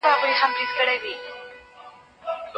ځینې ښځې تازه مېوې ډېر خوښوي.